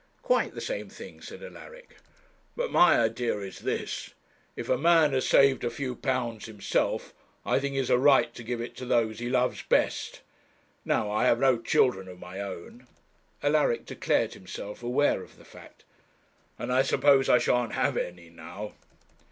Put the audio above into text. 'Quite the same thing,' said Alaric. 'But my idea is this: if a man has saved a few pounds himself, I think he has a right to give it to those he loves best. Now I have no children of my own.' Alaric declared himself aware of the fact. 'And I suppose I shan't have any now.'